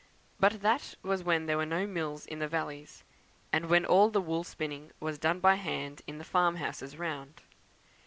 But that was when there were no mills in the valleys; and when all the wool spinning was done by hand in the farm houses round.